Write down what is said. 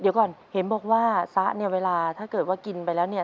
เดี๋ยวก่อนเห็นบอกว่าซะเนี่ยเวลาถ้าเกิดว่ากินไปแล้วเนี่ย